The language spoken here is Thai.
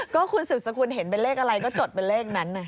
ก็ครูสูจน์สมควรเห็นเป็นเลขอะไรก็จดเป็นเลขนั้น